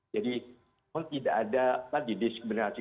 jadi mohon tidak ada tadi diskriminasi